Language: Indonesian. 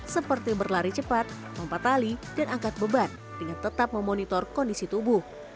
seperti berlari cepat mempatali dan angkat beban dengan tetap memonitor kondisi tubuh